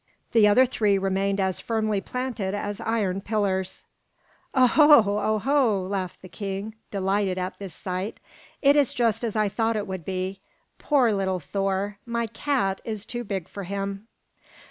The other three remained as firmly planted as iron pillars. "Oho, oho!" laughed the king, delighted at this sight. "It is just as I thought it would be. Poor little Thor! My cat is too big for him."